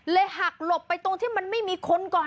หักหลบไปตรงที่มันไม่มีคนก่อน